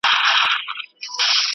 هر دولت او هر قوت لره آفت سته !.